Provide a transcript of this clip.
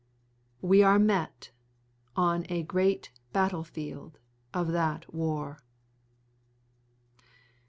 We are met on a great battlefield of that war.